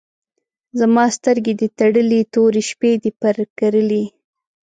زما سترګې دي تړلي، تورې شپې دي پر کرلي